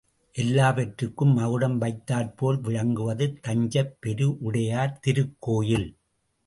எல்லாவற்றுக்கும் மகுடம் வைத்தாற்போல் விளங்குவது தஞ்சைப் பெரு உடையார் திருக்கோயில்.